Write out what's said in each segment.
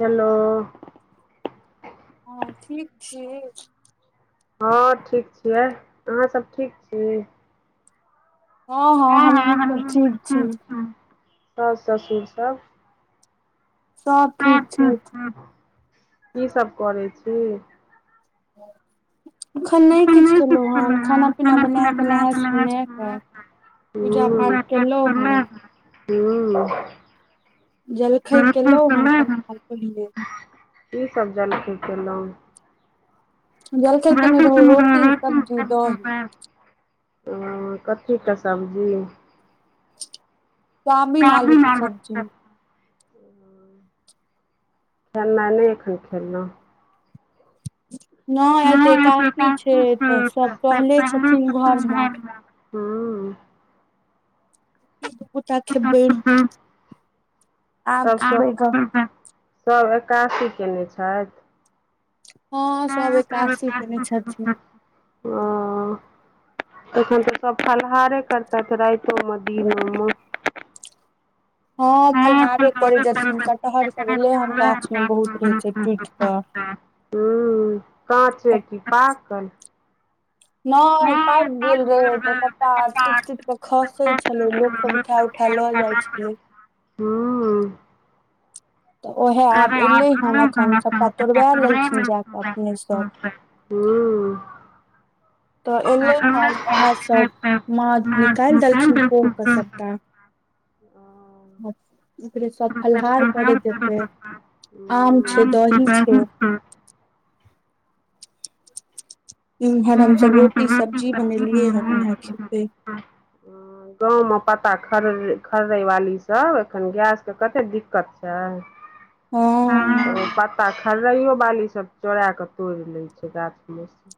hello हँ ठीक छि हँ ठीक छियै अहाँसब ठीक छी हं हमहु सब ठीक छी सास ससुर सब सब ठीक छैथ की सब करै छी [inaudible] एखन नइ किछु केलहुँ हेन खाना पीना बनेब कऽ नहेब सुनेब कऽ पूजा पाठ केलहुँं हन हूँ जलखइ केलौ हनकै ई सब जलखै केलहुँ [inaudible] ओ कथीके सब्जी याबिन लुक सब्जी खेना नइ एखन खेलहुँ नय आइ तऽ एकादीसी छै तऽ सब सहले छथिन घर मे हूँ उता खेबेर तब सब एकादसी कयने छैथ हँ सब एकदशी केने छथिन ओ एखन तऽ सब फलहारे करता राइतो मे [unintelligible] हँ फलहारे करे देथिन कटहर के भेले हन गाछ में बहुत रहे छै टूट के हं काँचे कि पाकल नय पाकि गेल रहे तऽ सबटा आ टुटि टुटि कऽ खसे छलै लोक सब उठा उठा लऽ जाइ छलै हँ तऽ ओहे आब एलै हन अखन सभटा तोड़बा लेलखिन जा कऽ [inaudible] तऽ एलै हन ओह सब माँ निकालि देलखिन कोह के सभटा अं अचछा ओकरे सब फलाहार करै जेतै आम छै दही छै उहर हमसब रोटी सब्जी बनेलियए हेन उएहे खेते गाँव में पता खरे खरै वाली सब एखन गैस के कते दिक्कत छै [inaudible] हँ खर्रइयो बाली सब चोरा कऽ तोड़ि लै छै गाछ में स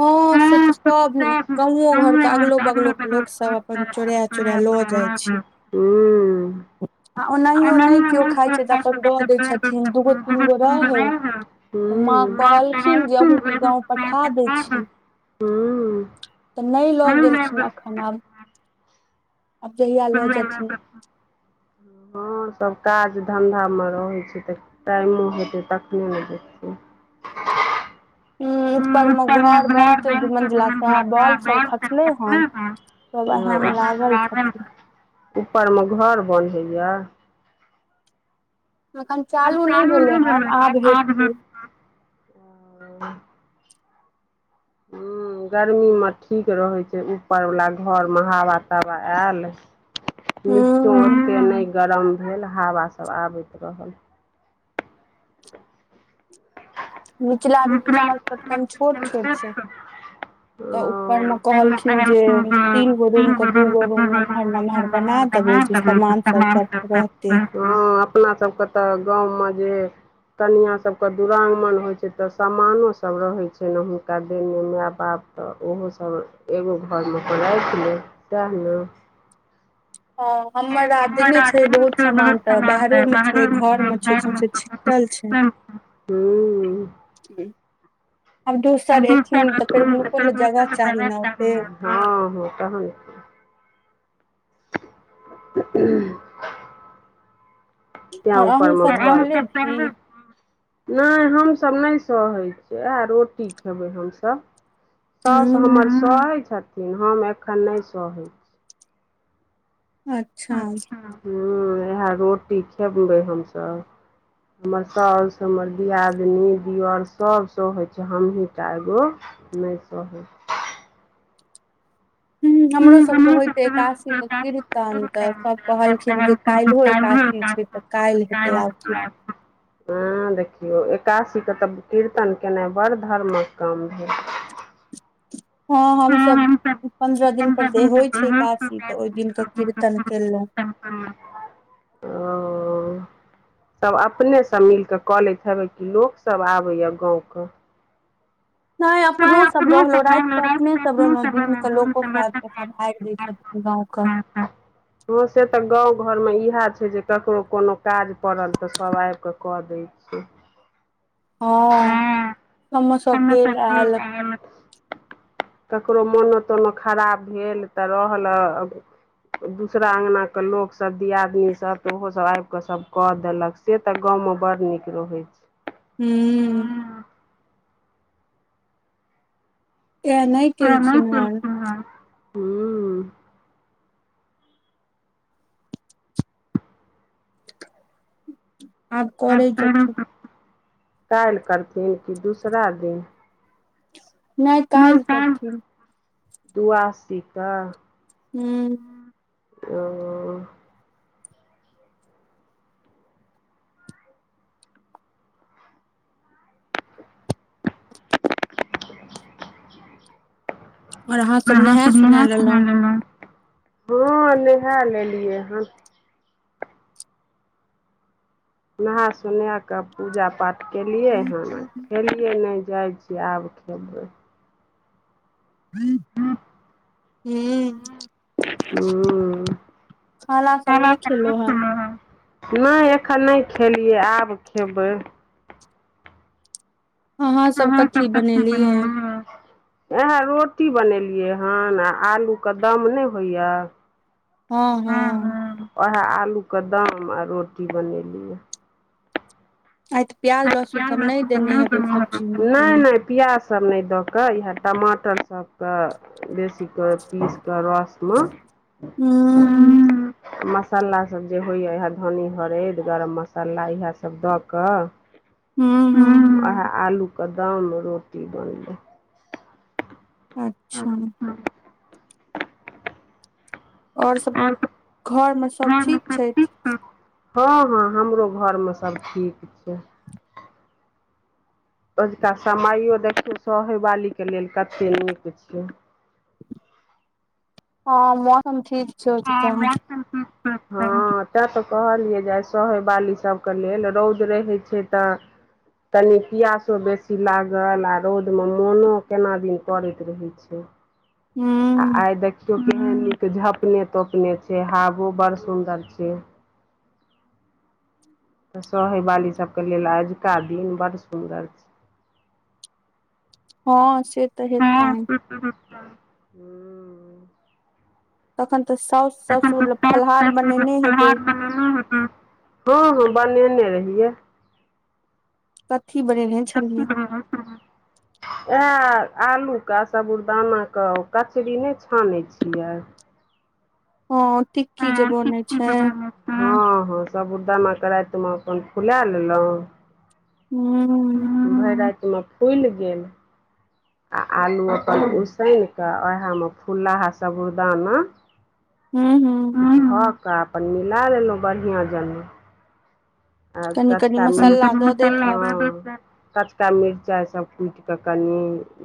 हँ से तऽ सब ह गाँओ घर के अगलो बगलो लोक सब अपन चोराए चोराए ल जाइ छै हूँ आ ओनाहियो नइ केओ खाइ छै तऽ अपन दऽ दै छथिन दूगो तीन गो रहै त माँ कहलखिन जे अहूँके गाँव पठा दै छी हँ तऽ नहि लऽ गेलखिन अखन आब ह सब काज धन्धा में रहै छै तऽ तऽ मुँह होत ताकने ल जा छै उ ऊपर में घर बनते दुमंजिला सएह बॉल सब खचले हन वेहे में लागल छथिन ऊपर में घर बन्है या एखन चालू नहि भेलै हन आब हेतै हँ गर्मी में ठीक रहैत छै ऊपरवला घरमे हावा तावा आयल नीचो ओते नइ गरम भेल हवा सब आबैत रहल निचला रूम सब कनि हमर छोट छोट छै तऽ ऊपर में कहलखिन जे तीन गो रूम के दूगो रूम नम्हर नम्हर बना देबय जे सामान सब रहते अपना सबके तऽ गाँव में जे कनिआँ सबके दुरागमन होइ छै तऽ समानोसभ रहै छैनि हुनका देने माय बाप तऽ ओहोसब एगो घरमे अपन राखि लहुँ टहलहुँ हँ हमर आ देने छै बहुत समान तऽ बाहरोमे छै घरमे छै सोचै छी टल छै आब दोसर एथिन तऽ फेर हुनको लय जगह चाही ने ओते हँ हँ तहन उ तैं उपर में नय हमसभ नहि सहै छियै आ रोटी खेबै हमसभ साउस हमर सहै छथिन हम एखन नहि सहै अच्छा हं इएह रोटी खेबबै हमसभ हमर साउस हमर दियादनी दीअर सब सहोइ छै हमहीं टा एगो नहि सहइ ह हमरो सबके होयत एकदशी के कीर्तन तऽ सब कहलखिन जे काल्हिहो एकादशी छै तऽ काल्ह हेतै आबी हँ देखिय एकादसीके तऽ कीर्तन केनाइ बड़ धर्मक काम भेल हँ हमसब पंन्द्रह दिन पर जे होइ छै काशी तऽ ओहि दिन के कीर्तन केलहुँं सब अपने सब मिलक कऽ लैत हेबे क लोक सब आबे या गाँंव के नय अपनो सब रहलहु रात क अपने सब रहलो दिन के लोको सा सब आबि दय छथिन गाँवक हँ से तऽ गाँव घर में इएह छै जे ककरो कोनो काज पड़ल तऽ सभ आब कऽ कऽ दै हं हँ हनु सब गेल एल [inaudible] ककरो मोनो तोनो खराब भेल तऽ रहल दूसरा अंगना के लोकसब दियादनी सब तऽ ओहोसभ आब कऽ सभ कऽ देलक से तऽ गाँव में बड़ नीक रहै छै हूँ एनइ [inaudible] आब करे जेथिन काल्हि करथिन कि दूसरा दिन नय काल्ह करथिन दुआसी क हूँ ओ [inaudible] नहा सोनै क पूजा पाठ केलियै हन खेलियै नहि जाइ छी से आब खेबै हं खाना सब नइ खेलहु हन नइ एखन नहि खेलियै आब खेबै [unintelligible] इएह रोटी बनेलियै हन आ आलूके दम नहि होइए हँ हँ उएह आलू के दम आ रोटी बनेली ह आय [inaudible] नय नय पियाज सब नय दऽ क इहे टमाटर सबके बेसी पीस कऽ रस हं हं मसालासब जे होइए इएह धन्नी हरैद गरम मसाला इएहसभ दऽ कऽ हं आलू के दाम रोटी बनलै अच्छा ओर सब घर में सब ठीक छथि हँ हँ हमरो घर में सब ठीक छै ओजका समयो देखियौ सहय वालीके लेल कते नीक छियै हँ मौसम ठीक [unintelligible] हँ तैं तऽ कहलियै जे आय सहय बाली सबके लेल रौद रहै छै तऽ तनी पियासो बेसी लागल आ रौद में मोनो केना दिन पैत रहै छै हूँ आ आइ देखियो केहन के झपने तोपने छै हवो बड़ सुदर छै सहे बाली सब के लेल अजुका दिन बड़ सुंदर छै हँ से तऽ हेतैन हूँ तखन तऽ सासु ससुर फलाहार बनेने हेबै हँ हँ बनेने रहि कथी बनेेने [inaudible] उएह आलूके साबूदानाक कचरी नहि छानैत छियै हँ टिक्की जे बनेै छय हँ हँ सबुरदाना के राति मे अपन फुला लेलहुँं हूँ भइर राति मे फुलि गेल आ आलू अपन उसनि कऽ उएहमे फुल्लाहा साबुदाना हूँ हूँ ओकरा अपन मिला लेलहुँ बढ़िआँ जना आ काचका क कचका मिरचाइ सब कुटिकऽ कनि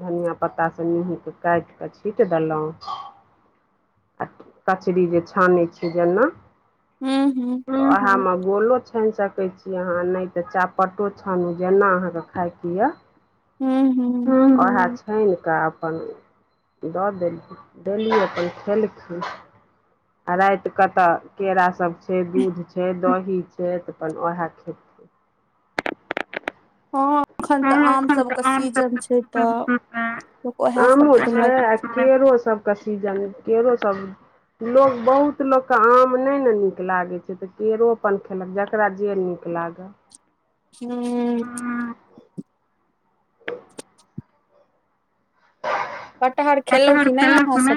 धनिया पत्तास सब मेहीकेऽ काटिकऽ पीट देलहुँ आ कचरी जे छानै छियै जेना हूँ हूँ ओहा में गोलो छ कै छी अहाँ नहि तऽ चापटो छानु ओ जेना अहाँके खायके यए हं हं खुन कऽ अपन दऽ देली देली अपन खेलखिन आ राति कतय केरास सभ छै दूध छै दही छै तऽ अपन उएह खेती हँ एखन तऽ आम सबके सीजन छै तऽ लोक उएह सब खेलक केरो सबके सीजन केरो सब लोग बहुत लोक के आम ने ने नीक लागे छै त केरो अपन खेलक जेकरा जे नीक लागऽ हूँ [unintelligible] नय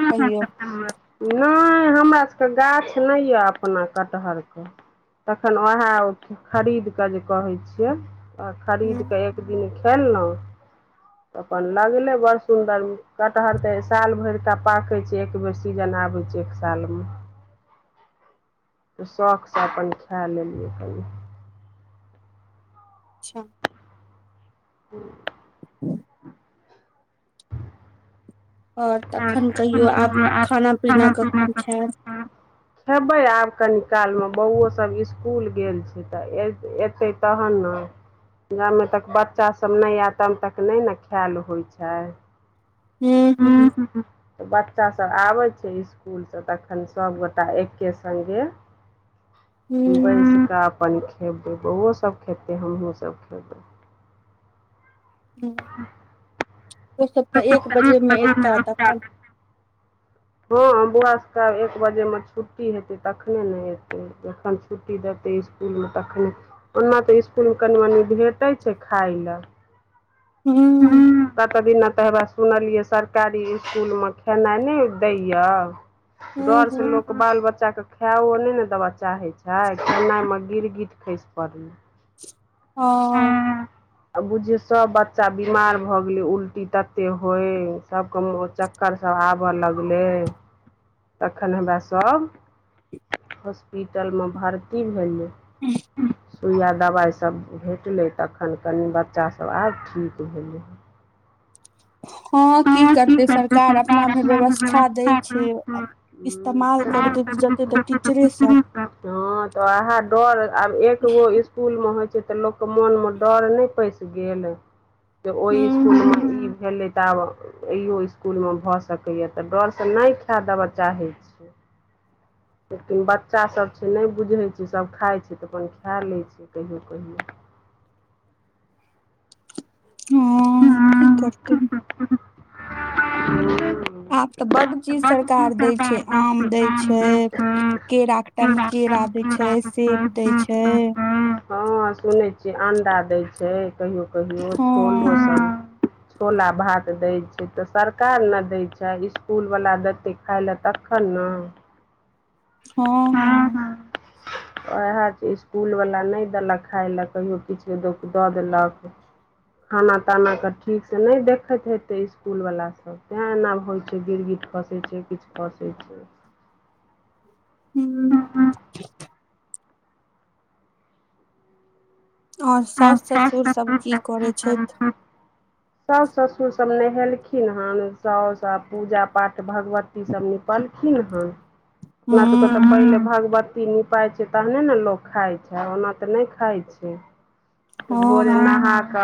हमरा सबके गाछ नहि यऽ अपना कटहरके तखन उएह खरीद कऽ जे कहै छियै खरीद कऽ एक दिन खेलहुँ अपन लगलै बस सुन्दर कटहर तऽ साल भरिका पाके छै एक बेर कऽ सीजन आबे छै एक साल मे त शौख सँ अपन खैय लेलियै कनि अच्छा हूँ आ ओर तखन कहियो आब खाना पीना कखन खायब खेबै आब कनि कालमें बौओसभ स्कूल गेल छै तऽ ए अयतै तखन ने जामे तक बच्चा सब नहि आयत तब तक नहि ने खायल होइ छै हूँ हूँ तऽ बच्चासभ आबै छै स्कूल स तखन सभगोटा एके सगें बैस कऽ अपन खेबै बौअ सब खेतै हमहु सब खेबै हं ओ सभ तऽ एक बजे में एताह तखन हँ बौआ सबके एक बजे में छुट्टी हेतै तखने ने अतै जखन छुट्टी देतै स्कूल तखने ओना तऽ स्कुल में कनि मनी भेटैत छै खाय लए तात दिन न तऽ ह सुनलियै सरकारी इसकुल में खेनाइ नहि दैय डरसँ लोक बाल बच्चाके खाओ नहि ने दबा चाहै छै खेनाइ में गिर गिट खसि पड़लै हं हं आ बुझियौ सब बच्चा बीमार भऽ गेलै उल्टी तते होय सभके ओकर सभ आबय लगलै तखन हमरा सब हॉस्पिटल में भर्ती भेलै सुइया दबाइ सब भे टलै तखन कनी बच्चासभ आब ठीक भेलै हँ हँ की करतै सरकार अपना भरि व्यवस्था दै छै इस्तेमाल करतै तऽ जेतै तऽ टीचरे सब हँ तऽ वेहै डर आब एगो इकूल में होइ छै तऽ लोक के मोन में डर नहि पैस गेल तऽ ओहि इसकुल में आ भेलै किताब एहि इसकुलमे भऽ सकैए तऽ डरसँ नहि खा देबऽ चाहै छी लेकिन बच्चा सब से नहि बुझै छै सब खाइ छै तऽ अपन खा लै छै कहियो कहियो हँ की करतैन [inaudible] आब तऽ बड चीज सरकार दै छै आम दै छै केरा के टाइम मे केरा दै छै सेब दै छै हँ सुनै छियै अंडा दै छै कहियो कहियो छोलो सब छोला भात दै छै तऽ सरकार ने दै छै इसकुलवला देतै खाइ लए तखन न हँ हँ उएह छै इसकुलवला नहि देलक खाय लए कहियो किछु दऽ देलक खाना ताना के ठीक से नहि देखैत हेतै इस्कूल वला सब तें एना होइ छै गर गीर खसै छै किछु खसैत छै हं और साउस ससुर सब की करे छथि साउ ससुर सब नहेलखिन हेन सउ स पूजा पाठ भगवती सब निपलखिन ह पहिले भगवती निपाइ छै तहने न लोक खाइ छै ओना तऽ नहि खाइ छै त भोरे नहाके